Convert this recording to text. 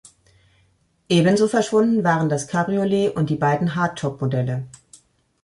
Ebenso verschwunden waren das Cabriolet und die beiden Hardtop-Modelle.